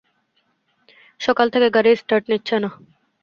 সকাল থেকে গাড়ি স্টার্ট নিচ্ছে না।